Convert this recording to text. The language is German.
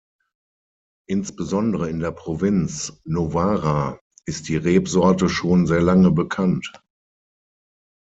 Insbesondere in der Provinz Novara ist die Rebsorte schon sehr lange bekannt.